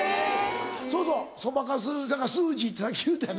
そうそうそばかすだからスージーってさっき言うたよね